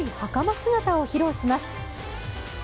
姿を披露します。